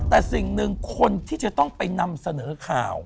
แต่สิ่งหนึ่งคนที่จะต้องไปนำเสนอข่าว